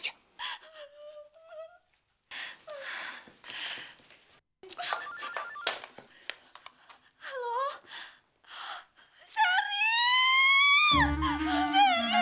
orangnya orang sama ada